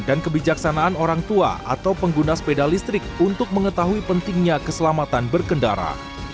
dan kebijaksanaan orang tua atau pengguna sepeda listrik untuk mengetahui pentingnya keselamatan berkendara